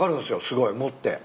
すごい持って。